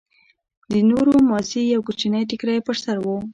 د نورو مازې يو کوچنى ټيکرى پر سر و.